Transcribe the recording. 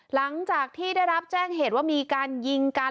หลังจากที่ได้รับแจ้งเหตุว่ามีการยิงกัน